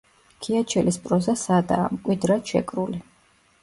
ქიაჩელის პროზა სადაა, მკვიდრად შეკრული.